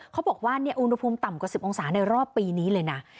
เขาบอกว่าอุณหภูมิต่ำกว่า๑๐องศาในรอบปีนี้เลยนะ